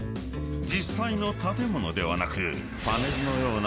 ［実際の建物ではなく］